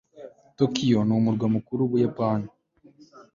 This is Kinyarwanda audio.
tokiyo ni umurwa mukuru w'ubuyapani